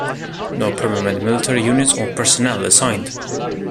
No permanent military units or personnel assigned.